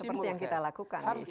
seperti yang kita lakukan